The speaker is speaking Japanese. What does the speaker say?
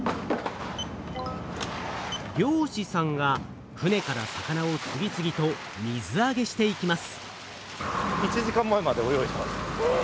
漁師さんが船から魚を次々と水あげしていきます。